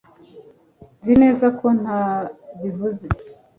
nzi neza ko ntabivuze